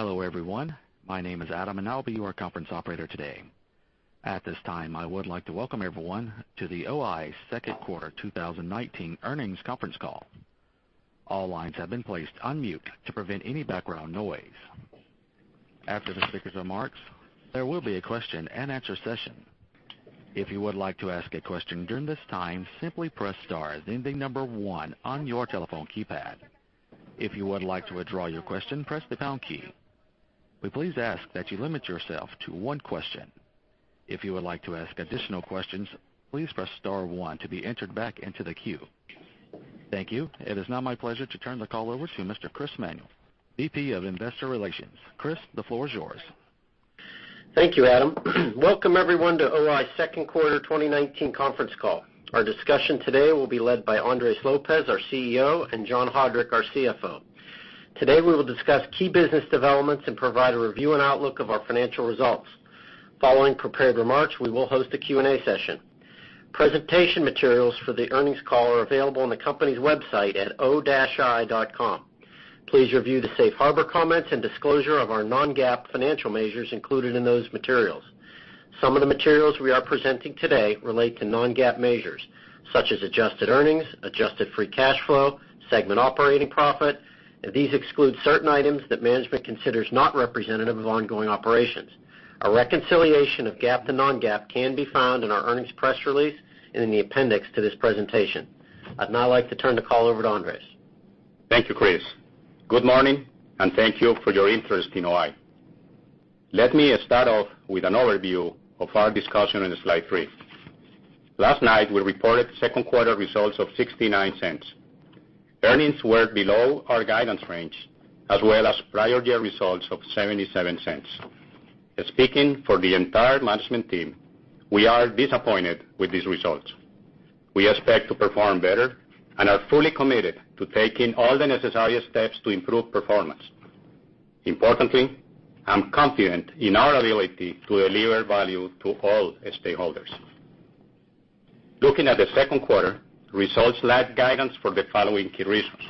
Hello, everyone. My name is Adam, and I'll be your conference operator today. At this time, I would like to welcome everyone to the O-I second quarter 2019 earnings conference call. All lines have been placed on mute to prevent any background noise. After the speaker's remarks, there will be a question-and-answer session. If you would like to ask a question during this time, simply press star, then the number 1 on your telephone keypad. If you would like to withdraw your question, press the pound key. We please ask that you limit yourself to one question. If you would like to ask additional questions, please press star 1 to be entered back into the queue. Thank you. It is now my pleasure to turn the call over to Mr. Chris Manuel, VP of Investor Relations. Chris, the floor is yours. Thank you, Adam. Welcome, everyone, to O-I second quarter 2019 conference call. Our discussion today will be led by Andres Lopez, our CEO, and John Haudrich, our CFO. Today, we will discuss key business developments and provide a review and outlook of our financial results. Following prepared remarks, we will host a Q&A session. Presentation materials for the earnings call are available on the company's website at o-i.com. Please review the safe harbor comments and disclosure of our non-GAAP financial measures included in those materials. Some of the materials we are presenting today relate to non-GAAP measures, such as adjusted earnings, adjusted free cash flow, segment operating profit. These exclude certain items that management considers not representative of ongoing operations. A reconciliation of GAAP to non-GAAP can be found in our earnings press release and in the appendix to this presentation. I'd now like to turn the call over to Andres. Thank you, Chris. Good morning, and thank you for your interest in O-I. Let me start off with an overview of our discussion on slide three. Last night, we reported second quarter results of $0.69. Earnings were below our guidance range, as well as prior year results of $0.77. Speaking for the entire management team, we are disappointed with these results. We expect to perform better and are fully committed to taking all the necessary steps to improve performance. Importantly, I'm confident in our ability to deliver value to all stakeholders. Looking at the second quarter, results lagged guidance for the following key reasons.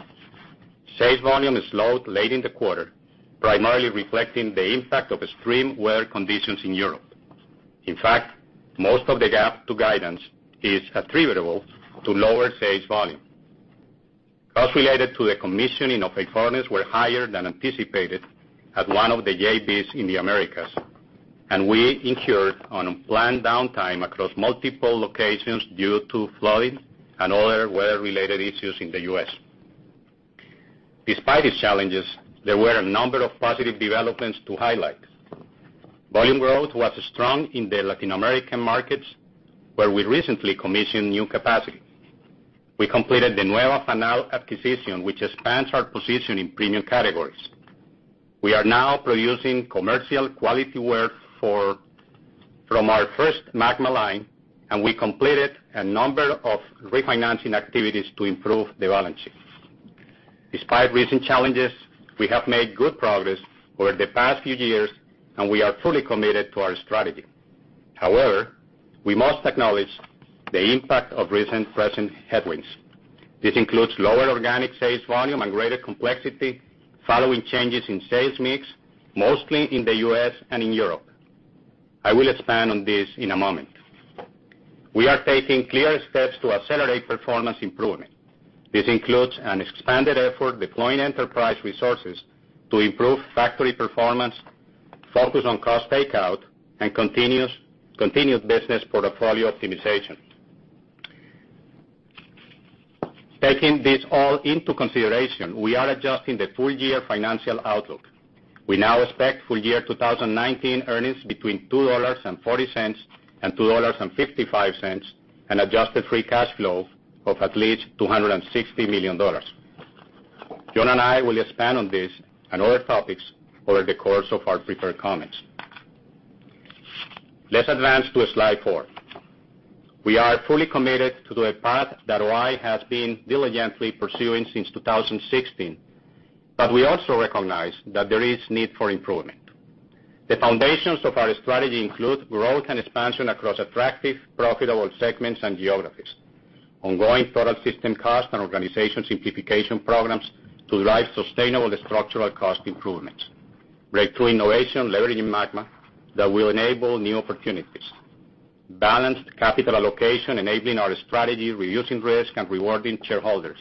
Sales volume is low late in the quarter, primarily reflecting the impact of extreme weather conditions in Europe. In fact, most of the gap to guidance is attributable to lower sales volume. Costs related to the commissioning of a furnace were higher than anticipated at one of the JVs in the Americas, and we incurred unplanned downtime across multiple locations due to flooding and other weather-related issues in the U.S. Despite these challenges, there were a number of positive developments to highlight. Volume growth was strong in the Latin American markets, where we recently commissioned new capacity. We completed the Nueva Fanal acquisition, which expands our position in premium categories. We are now producing commercial quality ware from our first MAGMA line, and we completed a number of refinancing activities to improve the balance sheet. Despite recent challenges, we have made good progress over the past few years, and we are fully committed to our strategy. We must acknowledge the impact of recent pressing headwinds. This includes lower organic sales volume and greater complexity following changes in sales mix, mostly in the U.S. and in Europe. I will expand on this in a moment. We are taking clear steps to accelerate performance improvement. This includes an expanded effort deploying enterprise resources to improve factory performance, focus on cost takeout, and continued business portfolio optimization. Taking this all into consideration, we are adjusting the full-year financial outlook. We now expect full-year 2019 earnings between $2.40 and $2.55, and adjusted free cash flow of at least $260 million. John and I will expand on this and other topics over the course of our prepared comments. Let's advance to slide four. We are fully committed to the path that O-I has been diligently pursuing since 2016. We also recognize that there is need for improvement. The foundations of our strategy include growth and expansion across attractive, profitable segments and geographies. Ongoing product system cost and organization simplification programs to drive sustainable structural cost improvements. Breakthrough innovation leveraging MAGMA that will enable new opportunities. Balanced capital allocation enabling our strategy, reducing risk, and rewarding shareholders.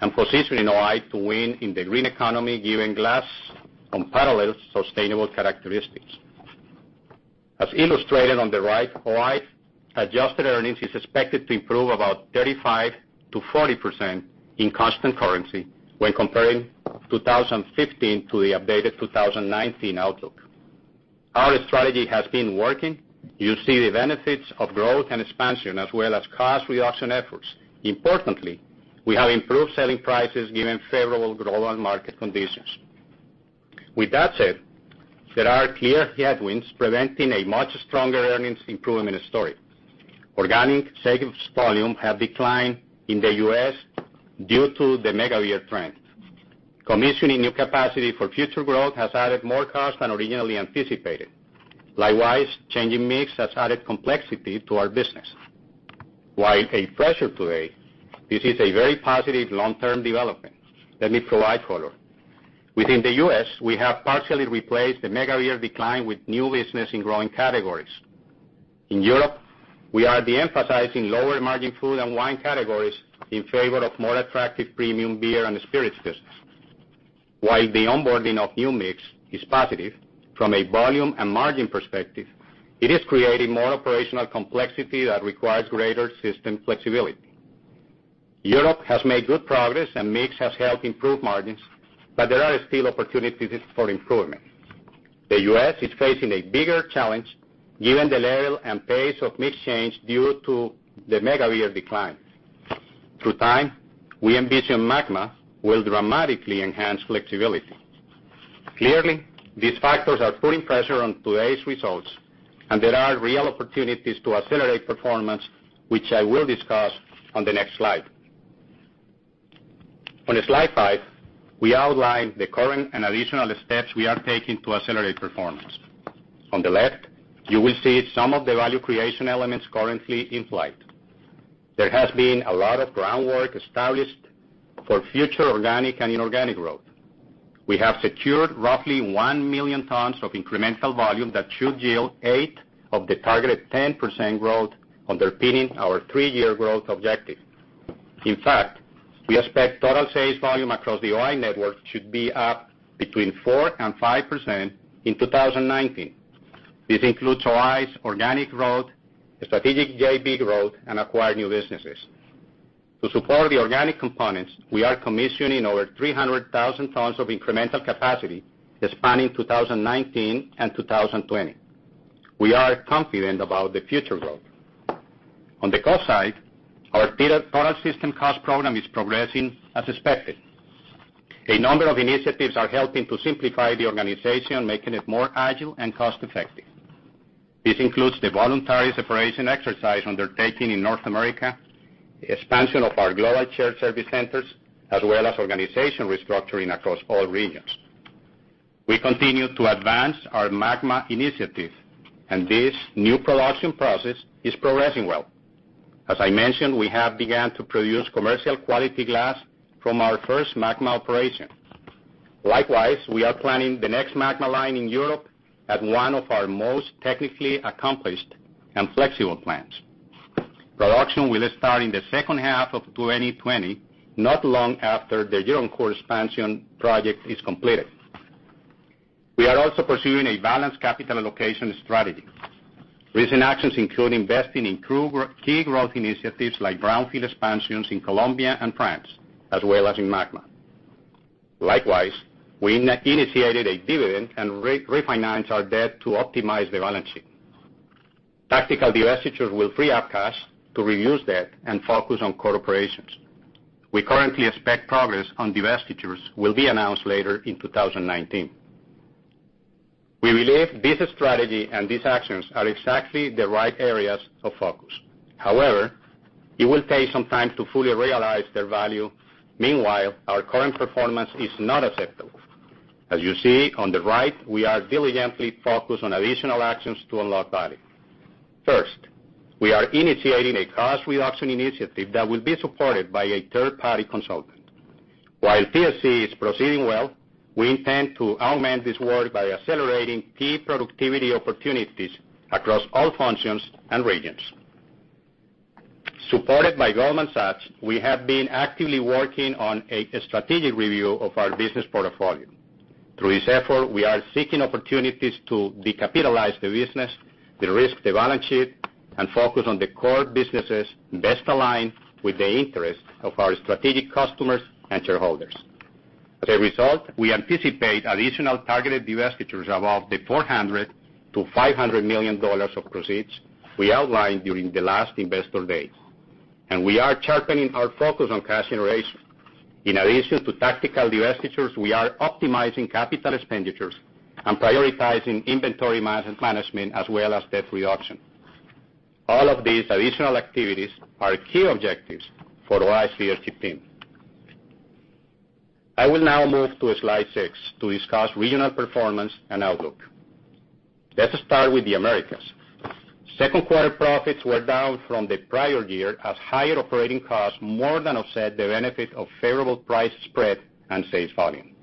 Positioning O-I to win in the green economy given glass unparalleled sustainable characteristics. As illustrated on the right, O-I adjusted earnings is expected to improve about 35%-40% in constant currency when comparing 2015 to the updated 2019 outlook. Our strategy has been working. You see the benefits of growth and expansion, as well as cost reduction efforts. Importantly, we have improved selling prices given favorable global market conditions. With that said, there are clear headwinds preventing a much stronger earnings improvement story. Organic sales volume have declined in the U.S. due to the mega beer trend. Commissioning new capacity for future growth has added more cost than originally anticipated. Likewise, changing mix has added complexity to our business. While a pressure today, this is a very positive long-term development. Let me provide color. Within the U.S., we have partially replaced the mega beer decline with new business in growing categories. In Europe, we are de-emphasizing lower margin food and wine categories in favor of more attractive premium beer and spirits business. While the onboarding of new mix is positive from a volume and margin perspective, it is creating more operational complexity that requires greater system flexibility. Europe has made good progress, and mix has helped improve margins, but there are still opportunities for improvement. The U.S. is facing a bigger challenge given the level and pace of mix change due to the mega beer decline. Through time, we envision MAGMA will dramatically enhance flexibility. Clearly, these factors are putting pressure on today's results. There are real opportunities to accelerate performance, which I will discuss on the next slide. On slide five, we outline the current and additional steps we are taking to accelerate performance. On the left, you will see some of the value creation elements currently in flight. There has been a lot of groundwork established for future organic and inorganic growth. We have secured roughly 1 million tons of incremental volume that should yield eight of the targeted 10% growth underpinning our three-year growth objective. In fact, we expect total sales volume across the O-I network should be up between 4% and 5% in 2019. This includes O-I's organic growth, strategic JV growth, and acquired new businesses. To support the organic components, we are commissioning over 300,000 tons of incremental capacity spanning 2019 and 2020. We are confident about the future growth. On the cost side, our Total System Cost program is progressing as expected. A number of initiatives are helping to simplify the organization, making it more agile and cost-effective. This includes the voluntary separation exercise undertaking in North America, expansion of our global shared service centers, as well as organization restructuring across all regions. We continue to advance our MAGMA initiative. This new production process is progressing well. As I mentioned, we have begun to produce commercial quality glass from our first MAGMA operation. Likewise, we are planning the next MAGMA line in Europe at one of our most technically accomplished and flexible plants. Production will start in the second half of 2020, not long after the German CORE expansion project is completed. We are also pursuing a balanced capital allocation strategy. Recent actions include investing in key growth initiatives like brownfield expansions in Colombia and France, as well as in MAGMA. Likewise, we initiated a dividend and refinanced our debt to optimize the balance sheet. Tactical divestitures will free up cash to reuse that and focus on core operations. We currently expect progress on divestitures will be announced later in 2019. We believe this strategy and these actions are exactly the right areas of focus. However, it will take some time to fully realize their value. Meanwhile, our current performance is not acceptable. As you see on the right, we are diligently focused on additional actions to unlock value. First, we are initiating a cost reduction initiative that will be supported by a third-party consultant. While TSC is proceeding well, we intend to augment this work by accelerating key productivity opportunities across all functions and regions. Supported by Goldman Sachs, we have been actively working on a strategic review of our business portfolio. Through this effort, we are seeking opportunities to decapitalize the business, derisk the balance sheet, and focus on the core businesses best aligned with the interests of our strategic customers and shareholders. As a result, we anticipate additional targeted divestitures above the $400 million-$500 million of proceeds we outlined during the last investor day. We are sharpening our focus on cash generation. In addition to tactical divestitures, we are optimizing capital expenditures and prioritizing inventory management as well as debt reduction. All of these additional activities are key objectives for O-I's leadership team. I will now move to slide six to discuss regional performance and outlook. Let us start with the Americas. Second quarter profits were down from the prior year as higher operating costs more than offset the benefit of favorable price spread and sales volume.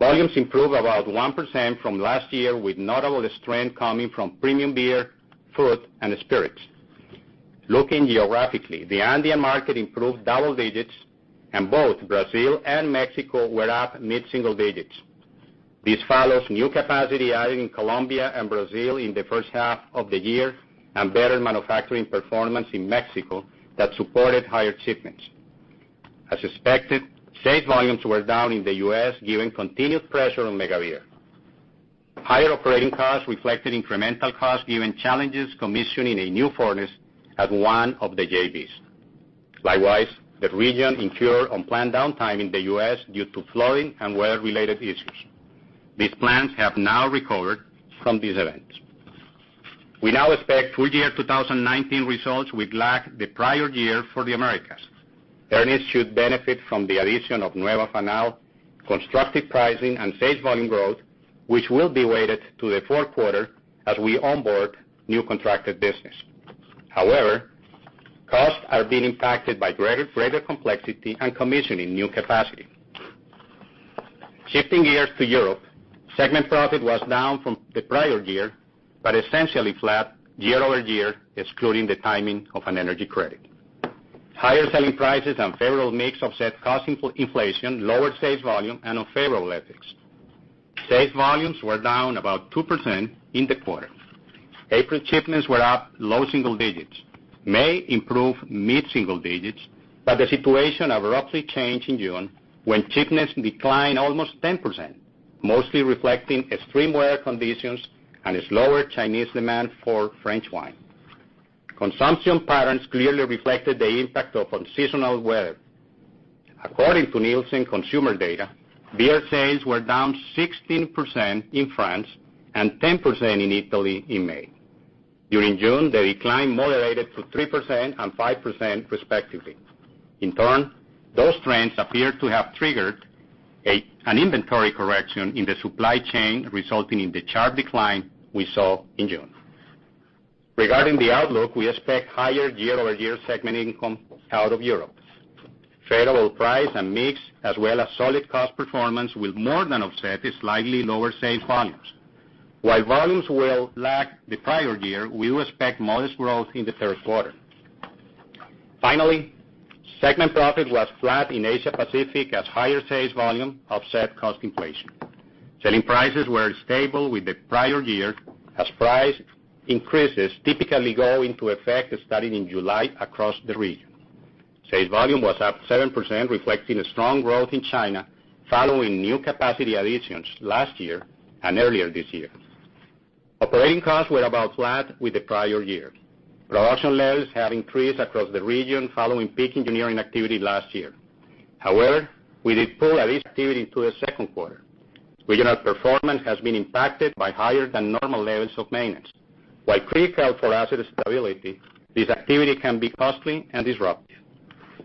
Volumes improved about 1% from last year, with notable strength coming from premium beer, food, and spirits. Looking geographically, the Andean market improved double digits, and both Brazil and Mexico were up mid-single digits. This follows new capacity added in Colombia and Brazil in the first half of the year and better manufacturing performance in Mexico that supported higher shipments. As expected, sales volumes were down in the U.S., giving continued pressure on mega beer. Higher operating costs reflected incremental costs, given challenges commissioning a new furnace at one of the JVs. Likewise, the region incurred unplanned downtime in the U.S. due to flooding and weather-related issues. These plants have now recovered from these events. We now expect full year 2019 results will lag the prior year for the Americas. Earnings should benefit from the addition of Nueva Fanal, constructive pricing and sales volume growth, which will be weighted to the fourth quarter as we onboard new contracted business. Costs are being impacted by greater complexity and commissioning new capacity. Shifting gears to Europe, segment profit was down from the prior year, but essentially flat year-over-year, excluding the timing of an energy credit. Higher selling prices and favorable mix offset cost inflation, lower sales volume, and unfavorable FX. Sales volumes were down about 2% in the quarter. April shipments were up low single digits. May improved mid-single digits, but the situation abruptly changed in June when shipments declined almost 10%, mostly reflecting extreme weather conditions and slower Chinese demand for French wine. Consumption patterns clearly reflected the impact of unseasonal weather. According to Nielsen consumer data, beer sales were down 16% in France and 10% in Italy in May. During June, the decline moderated to 3% and 5% respectively. In turn, those trends appear to have triggered an inventory correction in the supply chain, resulting in the sharp decline we saw in June. Regarding the outlook, we expect higher year-over-year segment income out of Europe. Favorable price and mix, as well as solid cost performance, will more than offset the slightly lower sales volumes. While volumes will lag the prior year, we expect modest growth in the third quarter. Finally, segment profit was flat in Asia Pacific, as higher sales volume offset cost inflation. Selling prices were stable with the prior year, as price increases typically go into effect starting in July across the region. Sales volume was up 7%, reflecting a strong growth in China following new capacity additions last year and earlier this year. Operating costs were about flat with the prior year. Production levels have increased across the region following peak engineering activity last year. We did pull at least activity into the second quarter. Regional performance has been impacted by higher than normal levels of maintenance. While critical for asset stability, this activity can be costly and disruptive.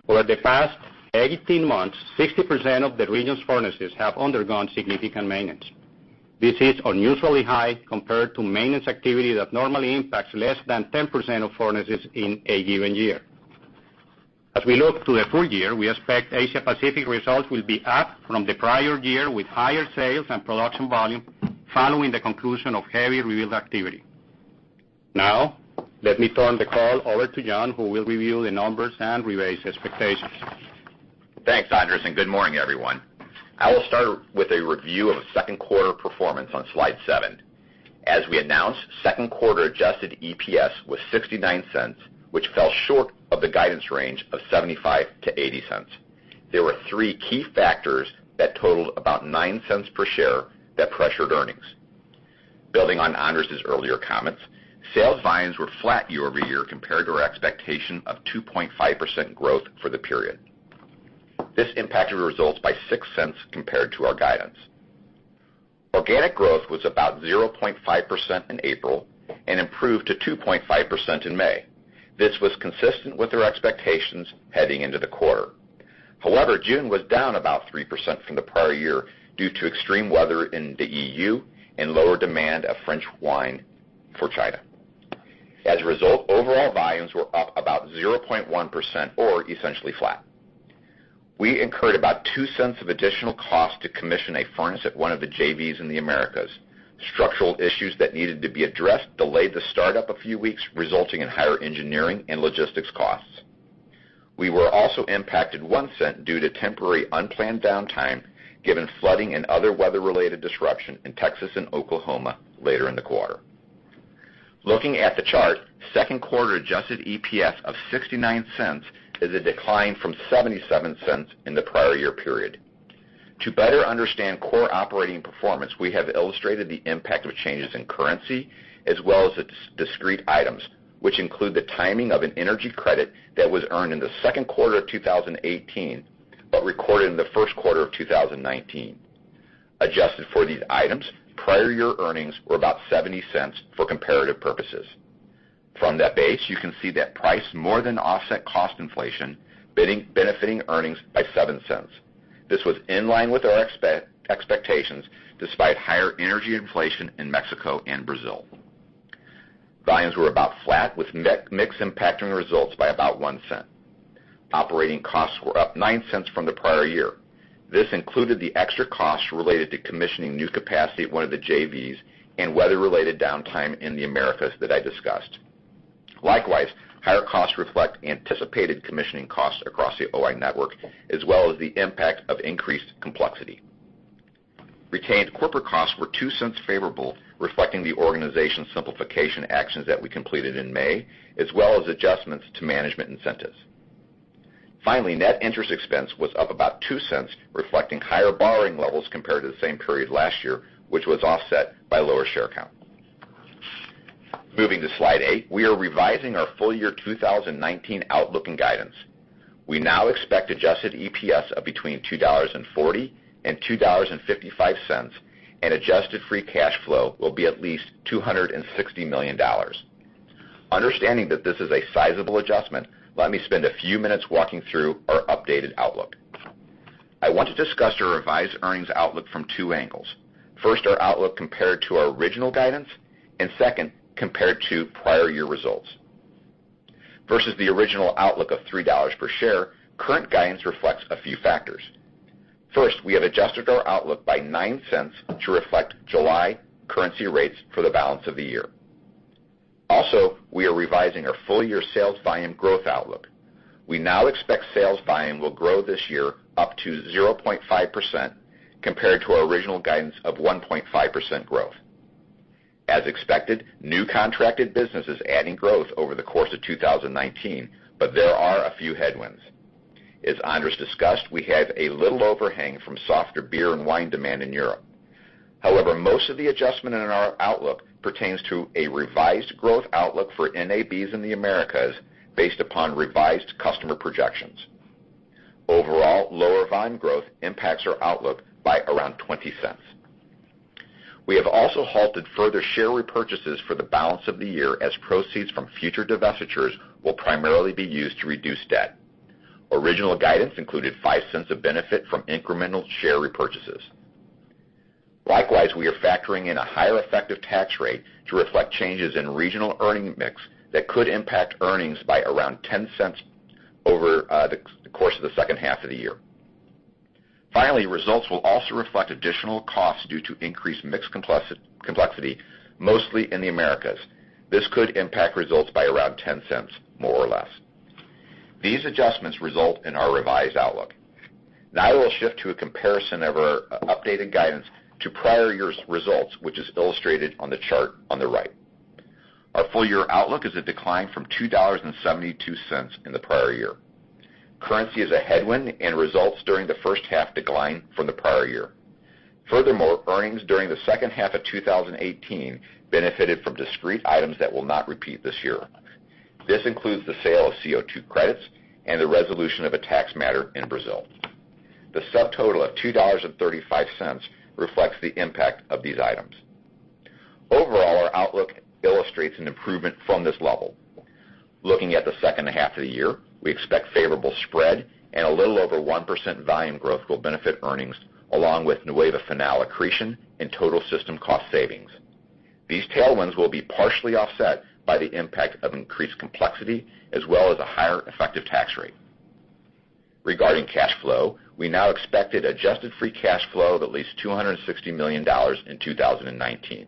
Over the past 18 months, 60% of the region's furnaces have undergone significant maintenance. This is unusually high compared to maintenance activity that normally impacts less than 10% of furnaces in a given year. As we look to the full year, we expect Asia Pacific results will be up from the prior year with higher sales and production volume following the conclusion of heavy rebuild activity. Now, let me turn the call over to John, who will review the numbers and revise expectations. Thanks, Andres, and good morning, everyone. I will start with a review of second quarter performance on slide seven. As we announced, second quarter adjusted EPS was $0.69, which fell short of the guidance range of $0.75-$0.80. There were three key factors that totaled about $0.09 per share that pressured earnings. Building on Andres' earlier comments, sales volumes were flat year-over-year compared to our expectation of 2.5% growth for the period. This impacted results by $0.06 compared to our guidance. Organic growth was about 0.5% in April and improved to 2.5% in May. This was consistent with our expectations heading into the quarter. June was down about 3% from the prior year due to extreme weather in the EU and lower demand of French wine for China. Overall volumes were up about 0.1%, or essentially flat. We incurred about $0.02 of additional cost to commission a furnace at one of the JVs in the Americas. Structural issues that needed to be addressed delayed the start-up a few weeks, resulting in higher engineering and logistics costs. We were also impacted $0.01 due to temporary unplanned downtime given flooding and other weather-related disruption in Texas and Oklahoma later in the quarter. Looking at the chart, second quarter adjusted EPS of $0.69 is a decline from $0.77 in the prior year period. To better understand core operating performance, we have illustrated the impact of changes in currency as well as its discrete items, which include the timing of an energy credit that was earned in the second quarter of 2018, but recorded in the first quarter of 2019. Adjusted for these items, prior year earnings were about $0.70 for comparative purposes. From that base, you can see that price more than offset cost inflation, benefiting earnings by $0.07. This was in line with our expectations despite higher energy inflation in Mexico and Brazil. Volumes were about flat, with mix impacting results by about $0.01. Operating costs were up $0.09 from the prior year. This included the extra cost related to commissioning new capacity at one of the JVs and weather-related downtime in the Americas that I discussed. Likewise, higher costs reflect anticipated commissioning costs across the O-I network, as well as the impact of increased complexity. Retained corporate costs were $0.02 favorable, reflecting the organization simplification actions that we completed in May, as well as adjustments to management incentives. Net interest expense was up about $0.02, reflecting higher borrowing levels compared to the same period last year, which was offset by lower share count. Moving to slide eight, we are revising our full year 2019 outlook and guidance. We now expect adjusted EPS of between $2.40 and $2.55, and adjusted free cash flow will be at least $260 million. Understanding that this is a sizable adjustment, let me spend a few minutes walking through our updated outlook. I want to discuss our revised earnings outlook from two angles. First, our outlook compared to our original guidance, and second, compared to prior year results. Versus the original outlook of $3 per share, current guidance reflects a few factors. First, we have adjusted our outlook by $0.09 to reflect July currency rates for the balance of the year. Also, we are revising our full year sales volume growth outlook. We now expect sales volume will grow this year up to 0.5%, compared to our original guidance of 1.5% growth. As expected, new contracted business is adding growth over the course of 2019, but there are a few headwinds. As Andres discussed, we have a little overhang from softer beer and wine demand in Europe. However, most of the adjustment in our outlook pertains to a revised growth outlook for NABs in the Americas based upon revised customer projections. Overall, lower volume growth impacts our outlook by around $0.20. We have also halted further share repurchases for the balance of the year as proceeds from future divestitures will primarily be used to reduce debt. Original guidance included $0.05 of benefit from incremental share repurchases. Likewise, we are factoring in a higher effective tax rate to reflect changes in regional earning mix that could impact earnings by around $0.10 over the course of the second half of the year. Finally, results will also reflect additional costs due to increased mixed complexity, mostly in the Americas. This could impact results by around $0.10, more or less. These adjustments result in our revised outlook. Now I will shift to a comparison of our updated guidance to prior year's results, which is illustrated on the chart on the right. Our full year outlook is a decline from $2.72 in the prior year. Currency is a headwind, and results during the first half decline from the prior year. Furthermore, earnings during the second half of 2018 benefited from discrete items that will not repeat this year. This includes the sale of CO2 credits and the resolution of a tax matter in Brazil. The subtotal of $2.35 reflects the impact of these items. Overall, our outlook illustrates an improvement from this level. Looking at the second half of the year, we expect favorable spread and a little over 1% volume growth will benefit earnings, along with Nueva Fanal accretion and Total System Cost savings. These tailwinds will be partially offset by the impact of increased complexity as well as a higher effective tax rate. Regarding cash flow, we now expected adjusted free cash flow of at least $260 million in 2019.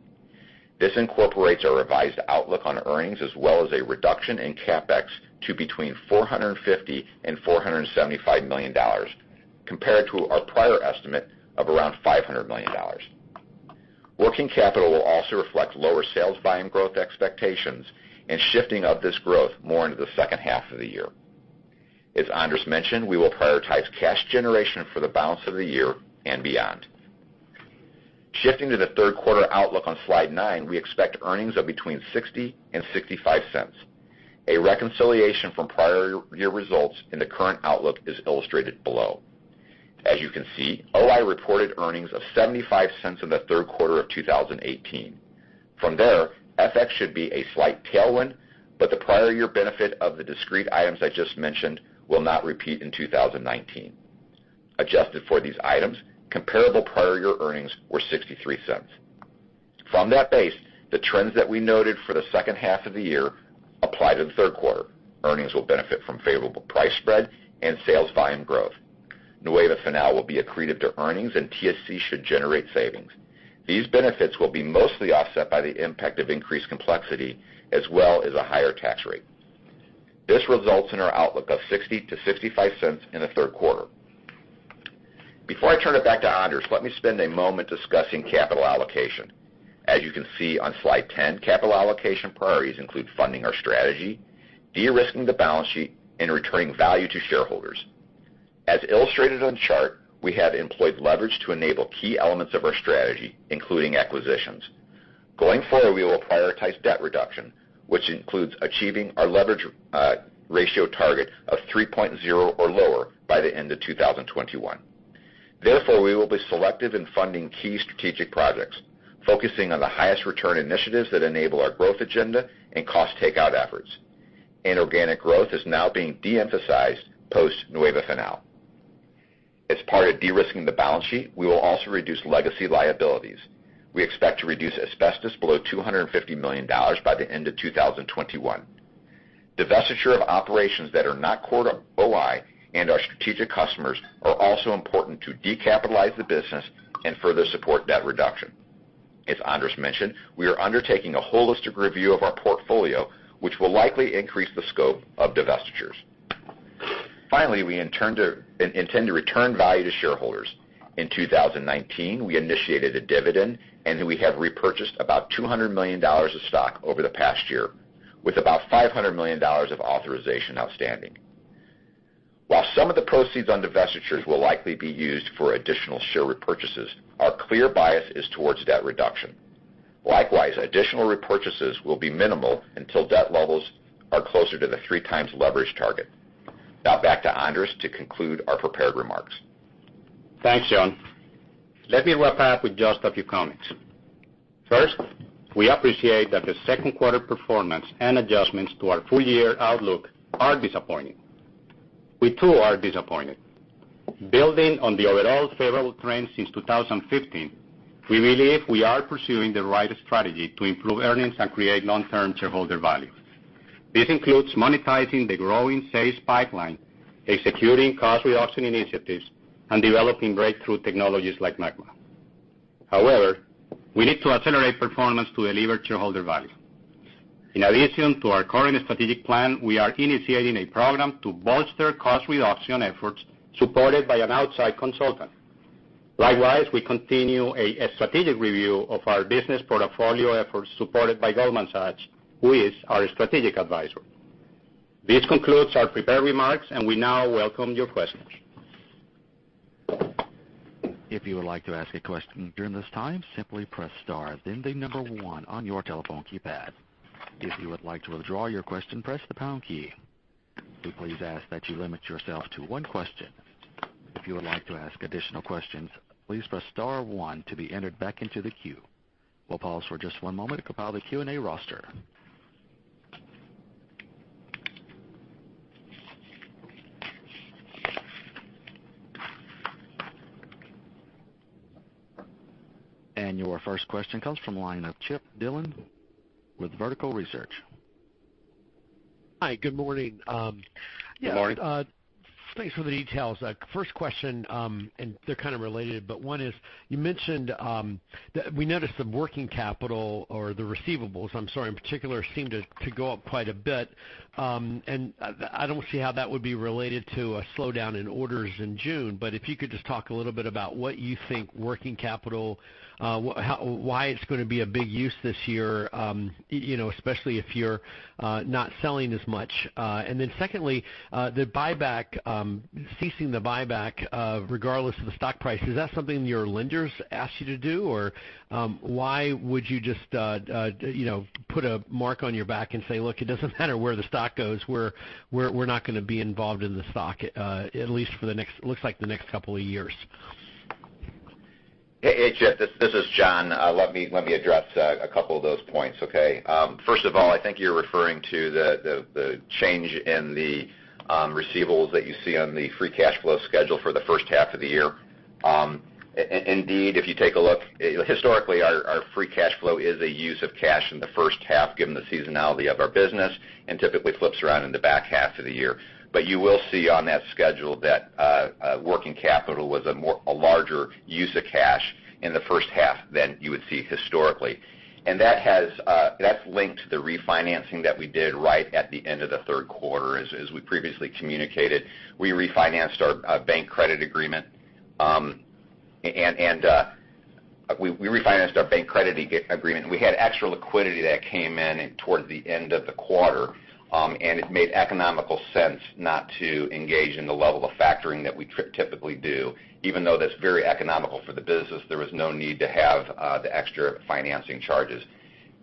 This incorporates a revised outlook on earnings as well as a reduction in CapEx to between $450 million and $475 million, compared to our prior estimate of around $500 million. Working capital will also reflect lower sales volume growth expectations and shifting of this growth more into the second half of the year. As Andres mentioned, we will prioritize cash generation for the balance of the year and beyond. Shifting to the third quarter outlook on slide 9, we expect earnings of between $0.60 and $0.65. A reconciliation from prior year results in the current outlook is illustrated below. As you can see, O-I reported earnings of $0.75 in the third quarter of 2018. From there, FX should be a slight tailwind, but the prior year benefit of the discrete items I just mentioned will not repeat in 2019. Adjusted for these items, comparable prior year earnings were $0.63. From that base, the trends that we noted for the second half of the year apply to the third quarter. Earnings will benefit from favorable price spread and sales volume growth. Nueva Fanal will be accreted to earnings and TSC should generate savings. These benefits will be mostly offset by the impact of increased complexity as well as a higher tax rate. This results in our outlook of $0.60 to $0.65 in the third quarter. Before I turn it back to Andres, let me spend a moment discussing capital allocation. As you can see on slide 10, capital allocation priorities include funding our strategy, de-risking the balance sheet, and returning value to shareholders. As illustrated on the chart, we have employed leverage to enable key elements of our strategy, including acquisitions. Going forward, we will prioritize debt reduction, which includes achieving our leverage ratio target of 3.0 or lower by the end of 2021. Therefore, we will be selective in funding key strategic projects, focusing on the highest return initiatives that enable our growth agenda and cost takeout efforts. Inorganic growth is now being de-emphasized post Nueva Fanal. As part of de-risking the balance sheet, we will also reduce legacy liabilities. We expect to reduce asbestos below $250 million by the end of 2021. Divestiture of operations that are not core to O-I and our strategic customers are also important to decapitalize the business and further support debt reduction. As Andres mentioned, we are undertaking a holistic review of our portfolio, which will likely increase the scope of divestitures. Finally, we intend to return value to shareholders. In 2019, we initiated a dividend, and we have repurchased about $200 million of stock over the past year, with about $500 million of authorization outstanding. While some of the proceeds on divestitures will likely be used for additional share repurchases, our clear bias is towards debt reduction. Likewise, additional repurchases will be minimal until debt levels are closer to the 3 times leverage target. Now back to Andres to conclude our prepared remarks. Thanks, John. Let me wrap up with just a few comments. First, we appreciate that the second quarter performance and adjustments to our full-year outlook are disappointing. We too are disappointed. Building on the overall favorable trends since 2015, we believe we are pursuing the right strategy to improve earnings and create long-term shareholder value. This includes monetizing the growing sales pipeline, executing cost reduction initiatives, and developing breakthrough technologies like MAGMA. However, we need to accelerate performance to deliver shareholder value. In addition to our current strategic plan, we are initiating a program to bolster cost reduction efforts supported by an outside consultant. Likewise, we continue a strategic review of our business portfolio efforts supported by Goldman Sachs, who is our strategic advisor. This concludes our prepared remarks, and we now welcome your questions. If you would like to ask a question during this time, simply press star, then the number one on your telephone keypad. If you would like to withdraw your question, press the pound key. We please ask that you limit yourself to one question. If you would like to ask additional questions, please press star one to be entered back into the queue. We'll pause for just one moment to compile the Q&A roster. Your first question comes from the line of Chip Dillon with Vertical Research. Hi, good morning. Good morning. Thanks for the details. First question, they're kind of related, but one is, you mentioned that we noticed the working capital or the receivables, I'm sorry, in particular, seemed to go up quite a bit. I don't see how that would be related to a slowdown in orders in June. If you could just talk a little bit about what you think working capital, why it's going to be a big use this year, especially if you're not selling as much. Then secondly, the buyback, ceasing the buyback regardless of the stock price. Is that something your lenders asked you to do? Or why would you just put a mark on your back and say, "Look, it doesn't matter where the stock goes. We're not going to be involved in the stock, at least for looks like the next couple of years. Hey, Chip, this is John. Let me address a couple of those points, okay? First of all, I think you're referring to the change in the receivables that you see on the free cash flow schedule for the first half of the year. Indeed, if you take a look, historically, our free cash flow is a use of cash in the first half given the seasonality of our business and typically flips around in the back half of the year. You will see on that schedule that working capital was a larger use of cash in the first half than you would see historically. That's linked to the refinancing that we did right at the end of the third quarter, as we previously communicated. We refinanced our bank credit agreement. We had extra liquidity that came in toward the end of the quarter, and it made economical sense not to engage in the level of factoring that we typically do. Even though that's very economical for the business, there was no need to have the extra financing charges.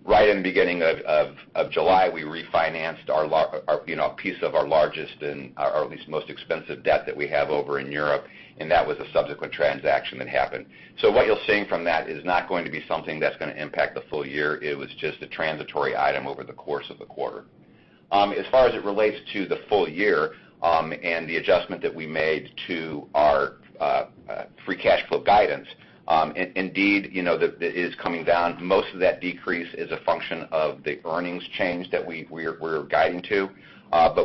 Right in the beginning of July, we refinanced a piece of our largest and our least most expensive debt that we have over in Europe, and that was a subsequent transaction that happened. What you're seeing from that is not going to be something that's going to impact the full year. It was just a transitory item over the course of the quarter. As far as it relates to the full year and the adjustment that we made to our free cash flow guidance, indeed, that is coming down. Most of that decrease is a function of the earnings change that we're guiding to.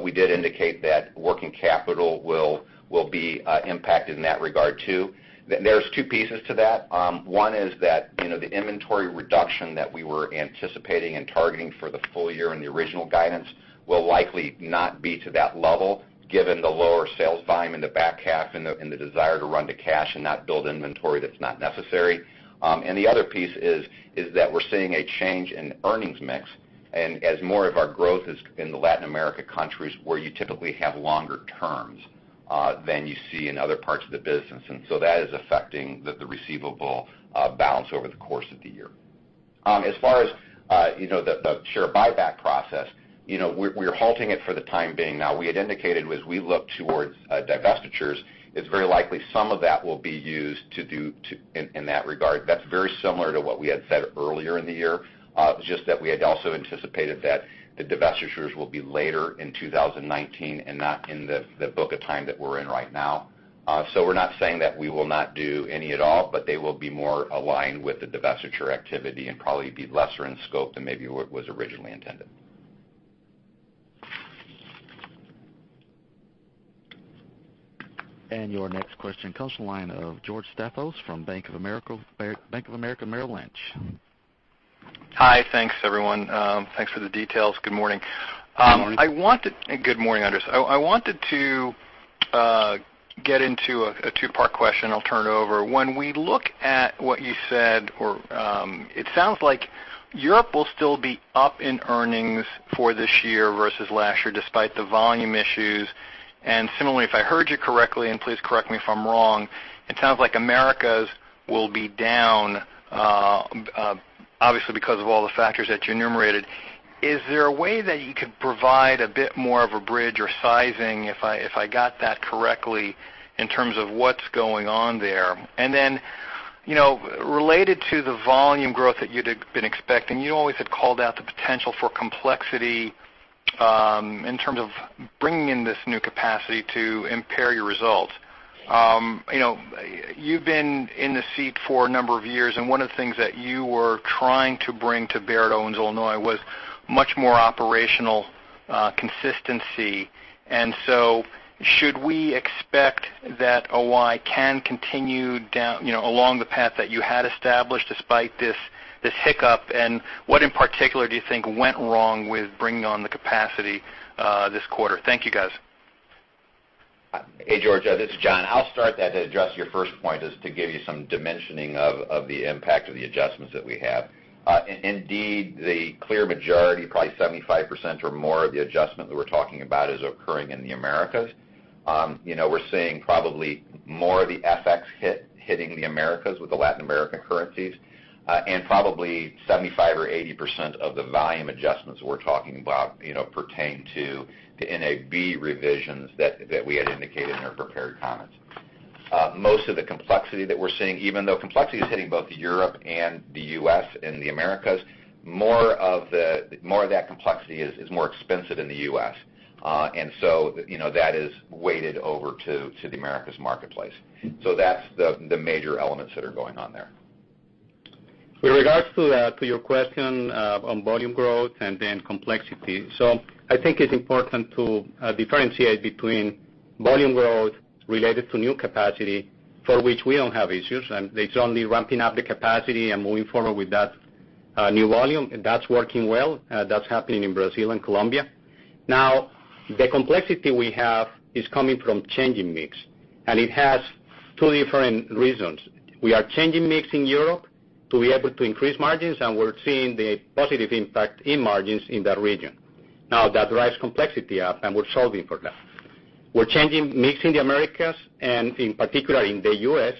We did indicate that working capital will be impacted in that regard, too. There's two pieces to that. One is that the inventory reduction that we were anticipating and targeting for the full year in the original guidance will likely not be to that level, given the lower sales volume in the back half and the desire to run to cash and not build inventory that's not necessary. The other piece is that we're seeing a change in earnings mix, and as more of our growth is in the Latin America countries where you typically have longer terms than you see in other parts of the business. That is affecting the receivable balance over the course of the year. As far as the share buyback process, we're halting it for the time being now. We had indicated as we look towards divestitures, it's very likely some of that will be used in that regard. That's very similar to what we had said earlier in the year, just that we had also anticipated that the divestitures will be later in 2019 and not in the book of time that we're in right now. We're not saying that we will not do any at all, but they will be more aligned with the divestiture activity and probably be lesser in scope than maybe what was originally intended. Your next question comes from the line of George Staphos from Bank of America Merrill Lynch. Hi. Thanks, everyone. Thanks for the details. Good morning. Good morning. Good morning, Andres. I wanted to get into a two-part question. I'll turn it over. When we look at what you said, or it sounds like Europe will still be up in earnings for this year versus last year, despite the volume issues. Similarly, if I heard you correctly, and please correct me if I'm wrong, it sounds like Americas will be down, obviously because of all the factors that you enumerated. Is there a way that you could provide a bit more of a bridge or sizing, if I got that correctly, in terms of what's going on there? Then, related to the volume growth that you'd been expecting, you always had called out the potential for complexity, in terms of bringing in this new capacity to impair your results. You've been in the seat for a number of years, one of the things that you were trying to bring to Owens-Illinois was much more operational consistency. Should we expect that O-I can continue along the path that you had established despite this hiccup? What, in particular, do you think went wrong with bringing on the capacity, this quarter? Thank you, guys. Hey, George, this is John. I'll start that to address your first point, is to give you some dimensioning of the impact of the adjustments that we have. Indeed, the clear majority, probably 75% or more of the adjustment that we're talking about is occurring in the Americas. We're seeing probably more of the FX hitting the Americas with the Latin American currencies. Probably 75% or 80% of the volume adjustments we're talking about pertain to the NAB revisions that we had indicated in our prepared comments. Most of the complexity that we're seeing, even though complexity is hitting both Europe and the U.S. and the Americas, more of that complexity is more expensive in the U.S. That is weighted over to the Americas marketplace. That's the major elements that are going on there. With regards to your question on volume growth and then complexity. I think it's important to differentiate between volume growth related to new capacity for which we don't have issues. It's only ramping up the capacity and moving forward with that new volume. That's working well. That's happening in Brazil and Colombia. The complexity we have is coming from changing mix, and it has two different reasons. We are changing mix in Europe to be able to increase margins, and we're seeing the positive impact in margins in that region. That drives complexity up, and we're solving for that. We're changing mix in the Americas and in particular in the U.S.,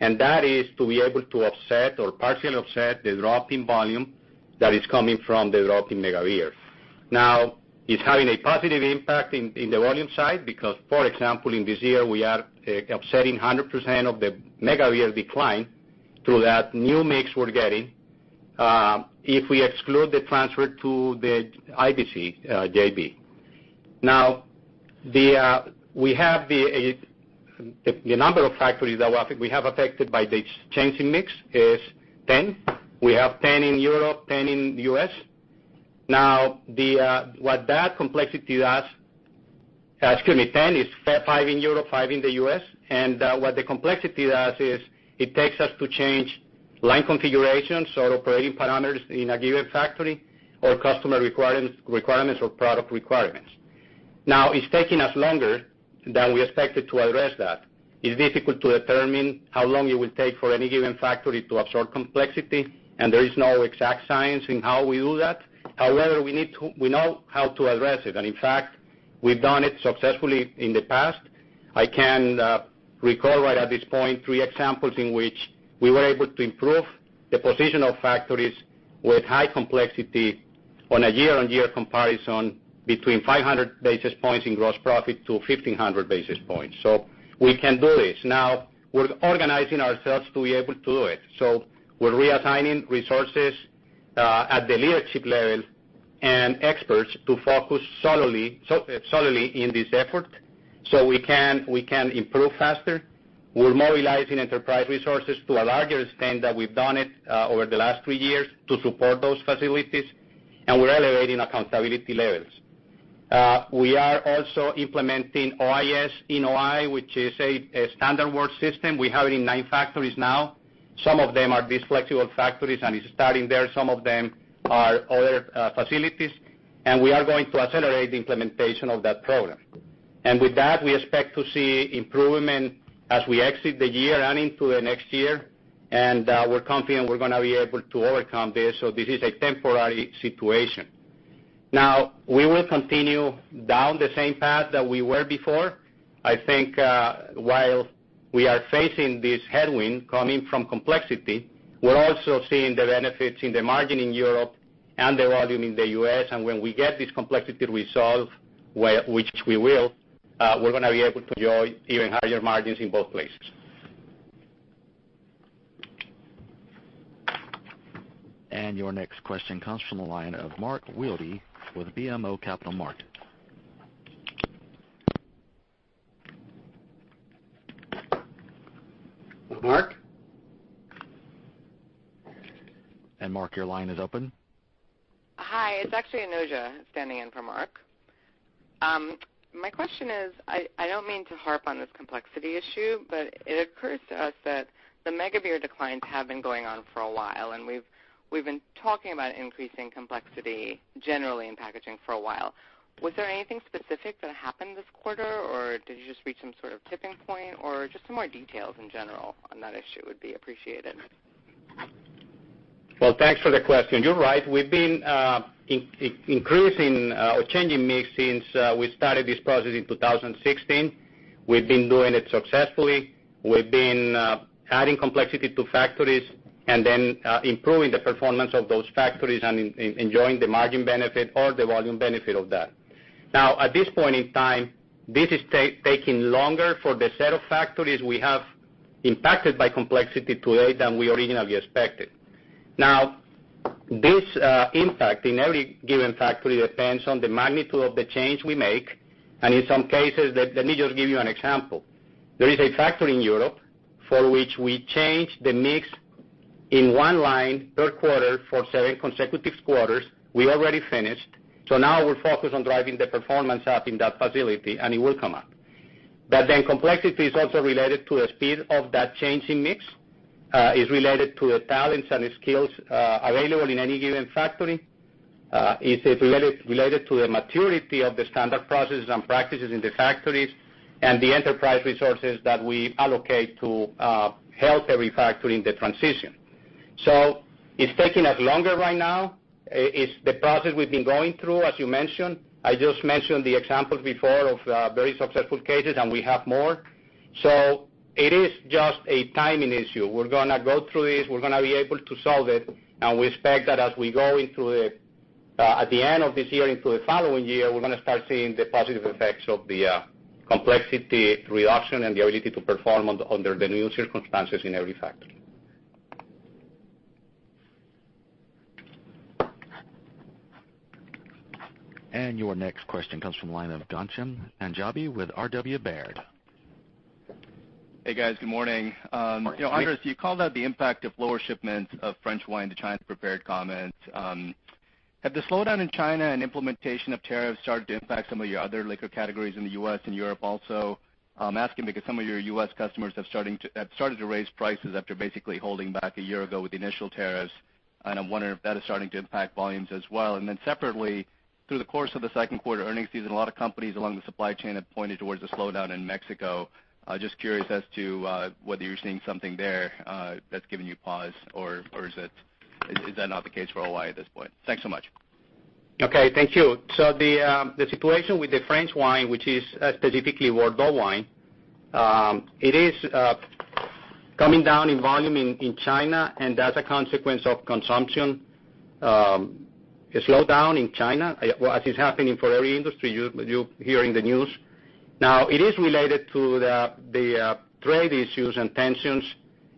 and that is to be able to offset or partially offset the drop in volume that is coming from the drop in mega beer. It's having a positive impact in the volume side because, for example, in this year, we are offsetting 100% of the mega beer decline through that new mix we're getting, if we exclude the transfer to the IVC JV. The number of factories that we have affected by the changing mix is 10. We have 10 in Europe, 10 in the U.S. Excuse me, 10 is five in Europe, five in the U.S. What the complexity does is it takes us to change line configurations or operating parameters in a given factory or customer requirements or product requirements. It's taking us longer than we expected to address that. It's difficult to determine how long it will take for any given factory to absorb complexity, and there is no exact science in how we do that. However, we know how to address it. In fact, we've done it successfully in the past. I can recall right at this point three examples in which we were able to improve the position of factories with high complexity on a year-on-year comparison between 500 basis points in gross profit to 1,500 basis points. We can do this. We're organizing ourselves to be able to do it. We're reassigning resources, at the leadership level and experts to focus solely in this effort so we can improve faster. We're mobilizing enterprise resources to a larger extent that we've done it over the last three years to support those facilities. We're elevating accountability levels. We are also implementing OIS in O-I, which is a standard work system. We have it in nine factories now. Some of them are these flexible factories, and it's starting there. Some of them are other facilities. We are going to accelerate the implementation of that program. With that, we expect to see improvement as we exit the year and into the next year. We're confident we're going to be able to overcome this. This is a temporary situation. We will continue down the same path that we were before. I think, while we are facing this headwind coming from complexity, we're also seeing the benefits in the margin in Europe and the volume in the U.S. When we get this complexity resolved, which we will, we're going to be able to enjoy even higher margins in both places. Your next question comes from the line of Mark Wilde with BMO Capital Markets. Mark? Mark, your line is open. Hi, it's actually Anojja standing in for Mark. My question is, I don't mean to harp on this complexity issue, but it occurs to us that the mega beer declines have been going on for a while, and we've been talking about increasing complexity generally in packaging for a while. Was there anything specific that happened this quarter, or did you just reach some sort of tipping point, or just some more details in general on that issue would be appreciated. Well, thanks for the question. You're right. We've been increasing or changing mix since we started this process in 2016. We've been doing it successfully. We've been adding complexity to factories, and then improving the performance of those factories and enjoying the margin benefit or the volume benefit of that. Now, at this point in time, this is taking longer for the set of factories we have impacted by complexity to date than we originally expected. Now, this impact in every given factory depends on the magnitude of the change we make, and in some cases, let me just give you an example. There is a factory in Europe for which we changed the mix in one line per quarter for seven consecutive quarters. We already finished, now we're focused on driving the performance up in that facility, and it will come up. Complexity is also related to the speed of that changing mix, is related to the talents and the skills available in any given factory, is related to the maturity of the standard processes and practices in the factories, and the enterprise resources that we allocate to help every factory in the transition. It's taking us longer right now. It's the process we've been going through, as you mentioned. I just mentioned the example before of very successful cases, and we have more. It is just a timing issue. We're going to go through this, we're going to be able to solve it, and we expect that as we go into the, at the end of this year into the following year, we're going to start seeing the positive effects of the complexity reduction and the ability to perform under the new circumstances in every factory. Your next question comes from the line of Ghansham Panjabi with R.W. Baird. Hey, guys. Good morning. Good morning. Andres, you called out the impact of lower shipments of French wine to China in the prepared comments. Have the slowdown in China and implementation of tariffs started to impact some of your other liquor categories in the U.S. and Europe also? I'm asking because some of your U.S. customers have started to raise prices after basically holding back a year ago with the initial tariffs, and I'm wondering if that is starting to impact volumes as well. Separately, through the course of the second quarter earnings season, a lot of companies along the supply chain have pointed towards a slowdown in Mexico. Just curious as to whether you're seeing something there that's giving you pause, or is that not the case for O-I at this point? Thanks so much. Okay, thank you. The situation with the French wine, which is specifically Bordeaux wine, it is coming down in volume in China, and that's a consequence of consumption, a slowdown in China, as is happening for every industry. You're hearing the news. It is related to the trade issues and tensions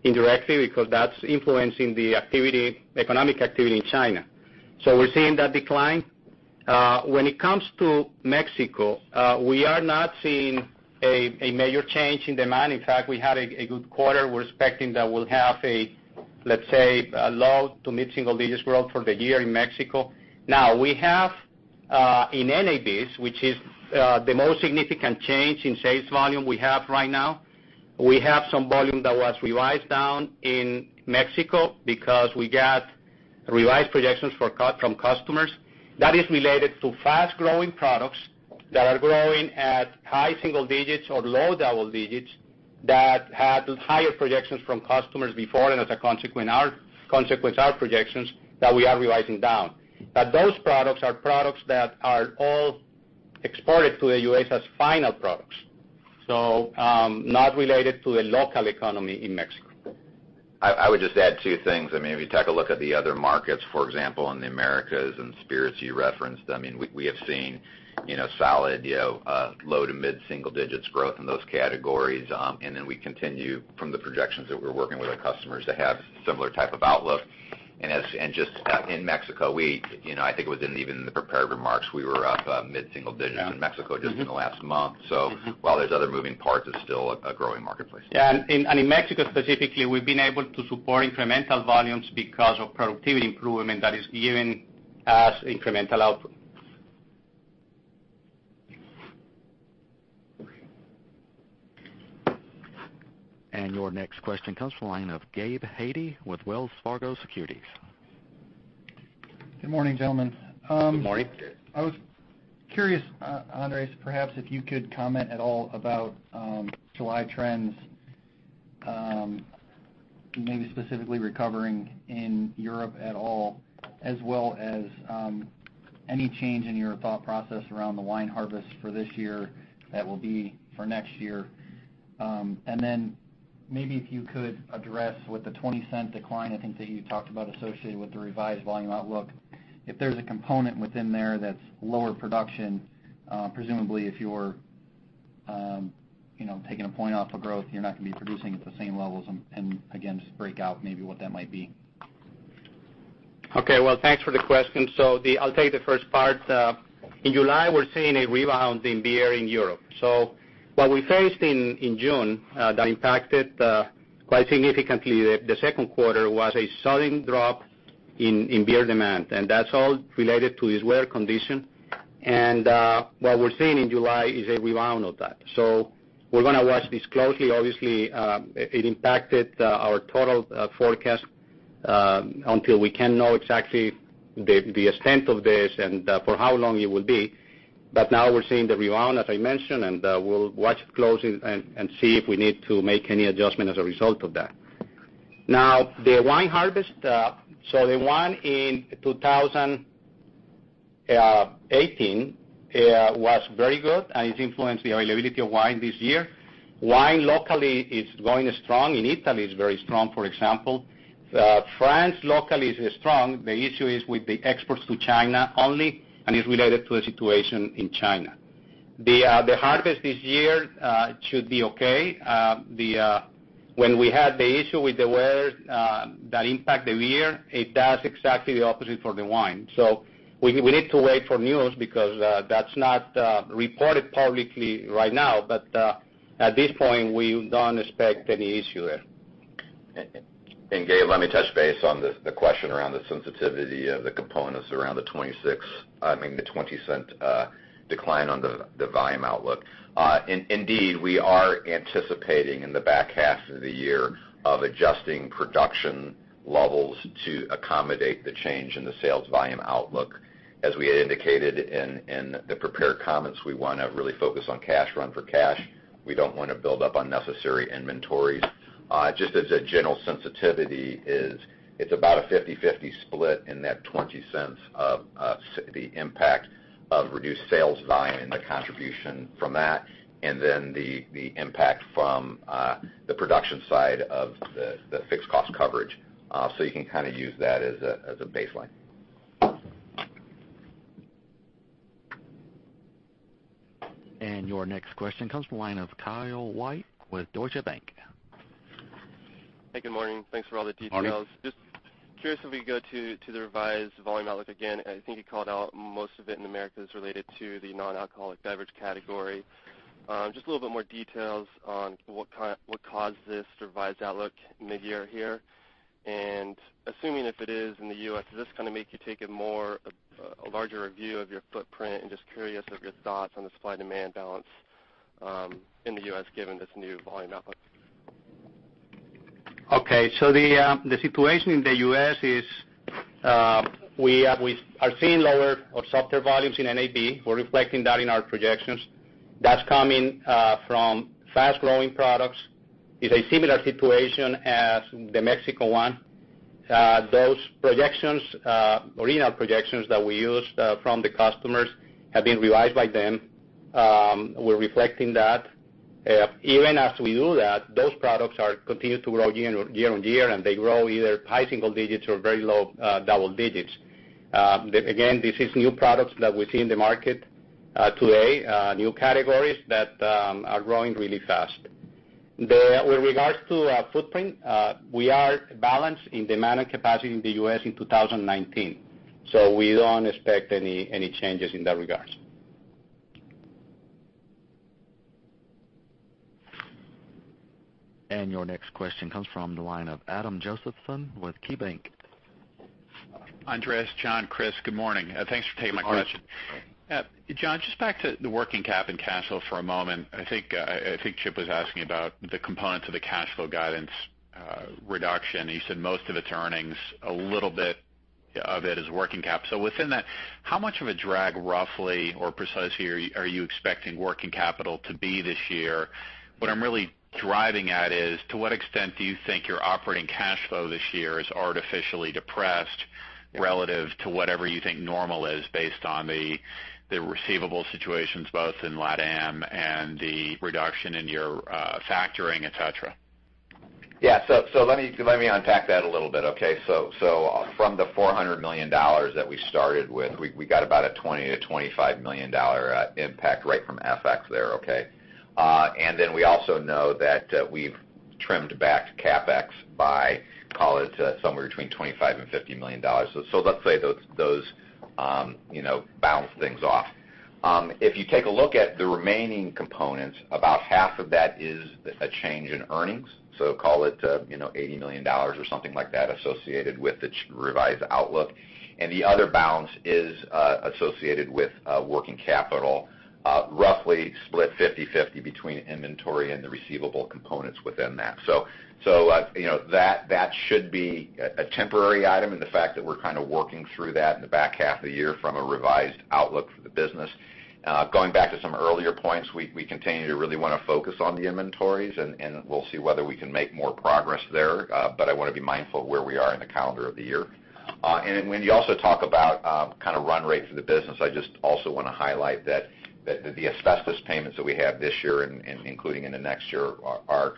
indirectly because that's influencing the economic activity in China. We're seeing that decline. When it comes to Mexico, we are not seeing a major change in demand. In fact, we had a good quarter. We're expecting that we'll have a, let's say, a low to mid-single digits growth for the year in Mexico. We have, in NABs, which is the most significant change in sales volume we have right now, we have some volume that was revised down in Mexico because we got revised projections from customers. That is related to fast-growing products that are growing at high single digits or low double digits that had higher projections from customers before. As a consequence, our projections that we are revising down. Those products are products that are all exported to the U.S. as final products, so not related to the local economy in Mexico. I would just add two things. If you take a look at the other markets, for example, in the Americas, and spirits, you referenced, we have seen solid low to mid-single digits growth in those categories. We continue from the projections that we're working with our customers to have similar type of outlook. Just in Mexico, I think it was in even the prepared remarks, we were up mid-single digits in Mexico just in the last month. While there's other moving parts, it's still a growing marketplace. Yeah, in Mexico specifically, we've been able to support incremental volumes because of productivity improvement that is giving us incremental output. Your next question comes from the line of Gabe Hajde with Wells Fargo Securities. Good morning, gentlemen. Good morning. I was curious, Andres, perhaps if you could comment at all about July trends, maybe specifically recovering in Europe at all, as well as any change in your thought process around the wine harvest for this year that will be for next year. Then maybe if you could address with the $0.20 decline, I think, that you talked about associated with the revised volume outlook, if there's a component within there that's lower production, presumably if you're taking a point off of growth, you're not going to be producing at the same levels, and again, just break out maybe what that might be. Okay. Well, thanks for the question. I'll take the first part. In July, we're seeing a rebound in beer in Europe. What we faced in June that impacted quite significantly the second quarter was a sudden drop in beer demand, and that's all related to this weather condition. What we're seeing in July is a rebound of that. We're going to watch this closely. Obviously, it impacted our total forecast, until we can know exactly the extent of this and for how long it will be. Now we're seeing the rebound, as I mentioned, and we'll watch it closely and see if we need to make any adjustment as a result of that. Now, the wine harvest. The one in 2022 '18 was very good, and it influenced the availability of wine this year. Wine locally is going strong. In Italy, it's very strong, for example. France locally is strong. The issue is with the exports to China only, and it's related to the situation in China. The harvest this year should be okay. When we had the issue with the weather that impact the beer, it does exactly the opposite for the wine. We need to wait for news because that's not reported publicly right now. At this point, we don't expect any issue there. Gabe, let me touch base on the question around the sensitivity of the components around the $0.20 decline on the volume outlook. Indeed, we are anticipating, in the back half of the year, of adjusting production levels to accommodate the change in the sales volume outlook. As we had indicated in the prepared comments, we want to really focus on cash run for cash. We don't want to build up unnecessary inventories. Just as a general sensitivity is, it's about a 50/50 split in that $0.20 of the impact of reduced sales volume and the contribution from that, and then the impact from the production side of the fixed cost coverage. You can use that as a baseline. Your next question comes from the line of Kyle White with Deutsche Bank. Hey, good morning. Thanks for all the details. Morning. Just curious if we could go to the revised volume outlook again. I think you called out most of it in Americas related to the non-alcoholic beverage category. Just a little bit more details on what caused this revised outlook mid-year here. Assuming if it is in the U.S., does this make you take a larger review of your footprint? Just curious of your thoughts on the supply-demand balance in the U.S., given this new volume outlook. Okay. The situation in the U.S. is, we are seeing lower or softer volumes in NAB. We're reflecting that in our projections. That's coming from fast-growing products. It's a similar situation as the Mexico one. Those original projections that we used from the customers have been revised by them. We're reflecting that. Even after we do that, those products are continued to grow year-on-year, and they grow either high single digits or very low double digits. Again, this is new products that we see in the market today, new categories that are growing really fast. With regards to our footprint, we are balanced in demand and capacity in the U.S. in 2019, so we don't expect any changes in that regards. Your next question comes from the line of Adam Josephson with KeyBanc. Andres, John, Chris, good morning. Thanks for taking my question. Morning. John, just back to the working cap and cash flow for a moment. I think Chip was asking about the components of the cash flow guidance reduction, and you said most of it's earnings, a little bit of it is working cap. Within that, how much of a drag, roughly or precisely, are you expecting working capital to be this year? What I'm really driving at is, to what extent do you think your operating cash flow this year is artificially depressed relative to whatever you think normal is, based on the receivable situations, both in LATAM and the reduction in your factoring, et cetera? Yeah. Let me unpack that a little bit, okay? From the $400 million that we started with, we got about a $20 million-$25 million impact right from FX there, okay? Then we also know that we've trimmed back CapEx by, call it, somewhere between $25 million-$50 million. Let's say those balance things off. If you take a look at the remaining components, about half of that is a change in earnings. Call it $80 million or something like that associated with the revised outlook. The other balance is associated with working capital, roughly split 50/50 between inventory and the receivable components within that. That should be a temporary item, and the fact that we're kind of working through that in the back half of the year from a revised outlook for the business. Going back to some earlier points, we continue to really want to focus on the inventories, and we'll see whether we can make more progress there. I want to be mindful of where we are in the calendar of the year. When you also talk about run rate for the business, I just also want to highlight that the asbestos payments that we have this year, including in the next year, are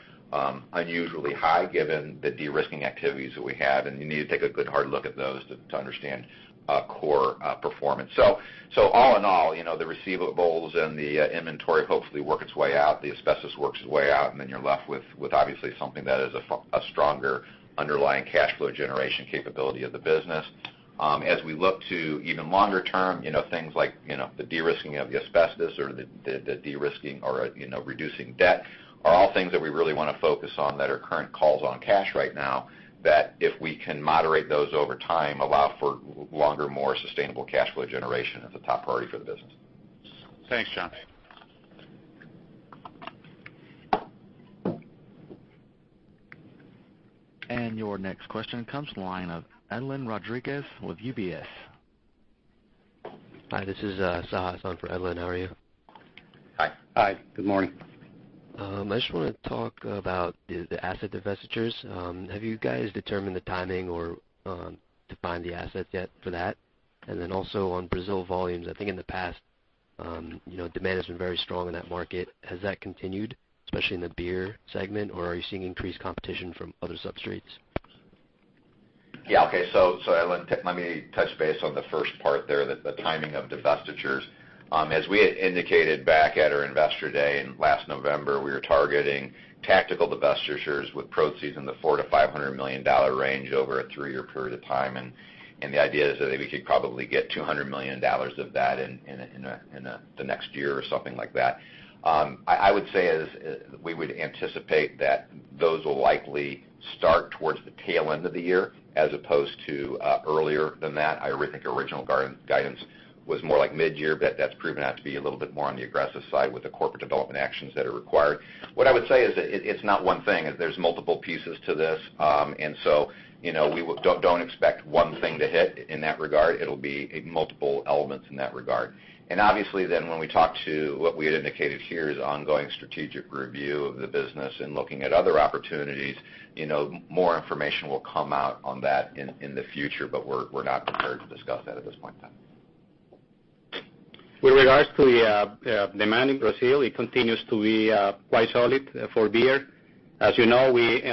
unusually high given the de-risking activities that we have, and you need to take a good hard look at those to understand core performance. All in all, the receivables and the inventory hopefully work its way out, the asbestos works its way out, then you're left with obviously something that is a stronger underlying cash flow generation capability of the business. As we look to even longer term, things like the de-risking of the asbestos or the de-risking or reducing debt are all things that we really want to focus on that are current calls on cash right now, that if we can moderate those over time, allow for longer, more sustainable cash flow generation as a top priority for the business. Thanks, John. Your next question comes from the line of Edlain Rodriguez with UBS. Hi, this is Sahas on for Edlain. How are you? Hi. Hi, good morning. I just want to talk about the asset divestitures. Have you guys determined the timing or defined the assets yet for that? On Brazil volumes, I think in the past, demand has been very strong in that market. Has that continued, especially in the beer segment, or are you seeing increased competition from other substrates? Let me touch base on the first part there, the timing of divestitures. As we had indicated back at our investor day in last November, we are targeting tactical divestitures with proceeds in the $400 million-$500 million range over a three-year period of time. The idea is that we could probably get $200 million of that in the next year or something like that. I would say, we would anticipate that those will likely start towards the tail end of the year, as opposed to earlier than that. I think original guidance was more like mid-year, but that's proven out to be a little bit more on the aggressive side with the corporate development actions that are required. What I would say is it's not one thing, there's multiple pieces to this. Don't expect one thing to hit in that regard. It'll be multiple elements in that regard. When we talk to what we had indicated here is ongoing strategic review of the business and looking at other opportunities. More information will come out on that in the future, but we're not prepared to discuss that at this point in time. With regards to the demand in Brazil, it continues to be quite solid for beer. As you know, we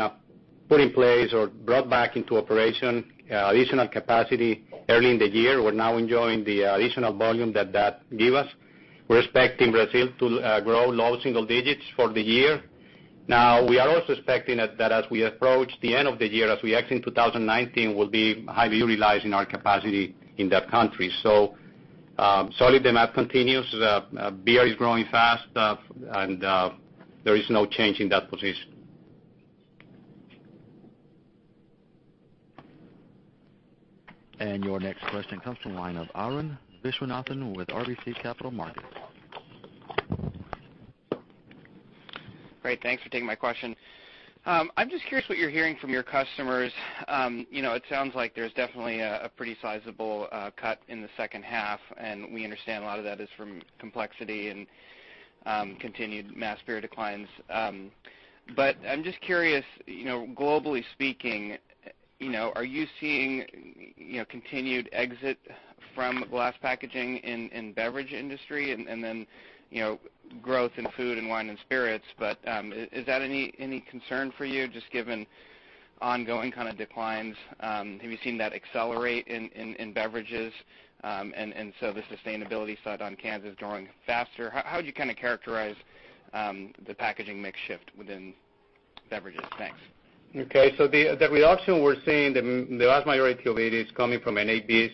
put in place or brought back into operation additional capacity early in the year. We're now enjoying the additional volume that give us. We're expecting Brazil to grow low single digits for the year. We are also expecting that as we approach the end of the year, as we exit 2019, we'll be highly utilizing our capacity in that country. Solid demand continues. Beer is growing fast, and there is no change in that position. Your next question comes from the line of Arun Viswanathan with RBC Capital Markets. Great. Thanks for taking my question. I'm just curious what you're hearing from your customers. It sounds like there's definitely a pretty sizable cut in the second half, and we understand a lot of that is from complexity and continued mass beer declines. I'm just curious, globally speaking, are you seeing continued exit from glass packaging in beverage industry and then growth in food and wine and spirits? Is that any concern for you, just given ongoing kind of declines? Have you seen that accelerate in beverages? The sustainability side on cans is growing faster. How would you characterize the packaging mix shift within beverages? Thanks. Okay. The reaction we're seeing, the vast majority of it is coming from NABs,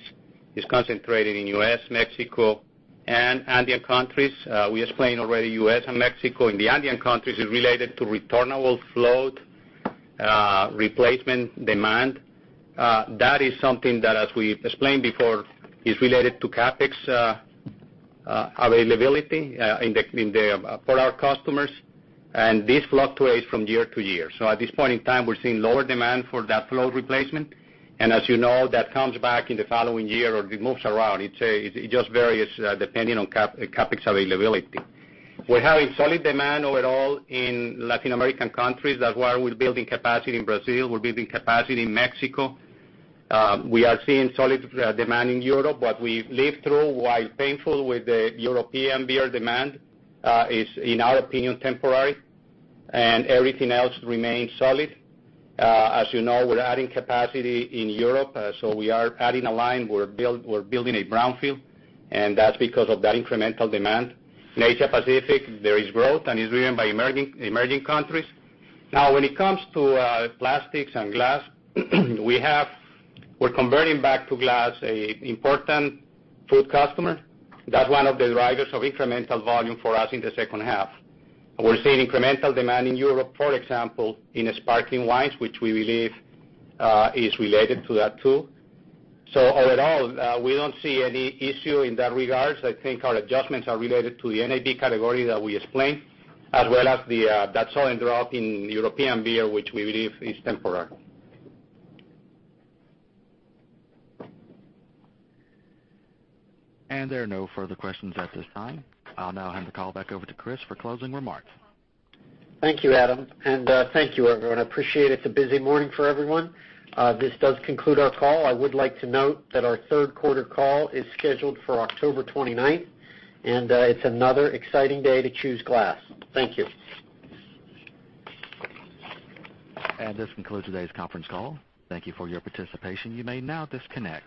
is concentrated in U.S., Mexico, and Andean countries. We explained already U.S. and Mexico. In the Andean countries, it's related to returnable float replacement demand. That is something that, as we explained before, is related to CapEx availability for our customers, and this fluctuates from year to year. At this point in time, we're seeing lower demand for that float replacement. As you know, that comes back in the following year or it moves around. It just varies depending on CapEx availability. We're having solid demand overall in Latin American countries. That's why we're building capacity in Brazil. We're building capacity in Mexico. We are seeing solid demand in Europe. What we lived through, while painful with the European beer demand, is, in our opinion, temporary, and everything else remains solid. As you know, we're adding capacity in Europe, we are adding a line. We're building a brownfield, that's because of that incremental demand. In Asia Pacific, there is growth, it's driven by emerging countries. When it comes to plastics and glass, we're converting back to glass an important food customer. That's one of the drivers of incremental volume for us in the second half. We're seeing incremental demand in Europe, for example, in sparkling wines, which we believe is related to that, too. Overall, we don't see any issue in that regards. I think our adjustments are related to the NAB category that we explained, as well as the sudden drop in European beer, which we believe is temporary. There are no further questions at this time. I'll now hand the call back over to Chris for closing remarks. Thank you, Adam, and thank you, everyone. I appreciate it's a busy morning for everyone. This does conclude our call. I would like to note that our third quarter call is scheduled for October 29th, and it's another exciting day to choose glass. Thank you. This concludes today's conference call. Thank you for your participation. You may now disconnect.